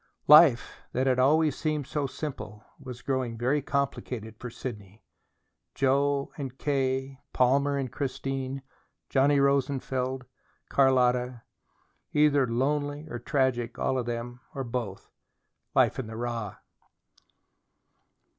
Life, that had always seemed so simple, was growing very complicated for Sidney: Joe and K., Palmer and Christine, Johnny Rosenfeld, Carlotta either lonely or tragic, all of them, or both. Life in the raw.